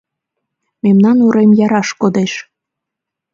Мемнан урем яраш кодеш.